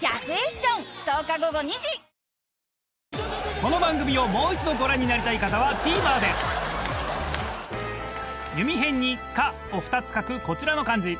この番組をもう一度ご覧になりたい方はＴＶｅｒで弓偏に「可」を２つ書くこちらの漢字。